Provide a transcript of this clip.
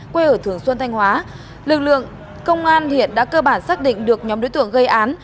quê ở thường xuân thanh hóa lực lượng công an hiện đã cơ bản xác định được nhóm đối tượng gây án